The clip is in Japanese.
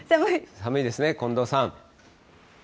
寒いですね、近藤さん。